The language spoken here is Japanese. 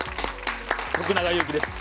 徳永ゆうきです。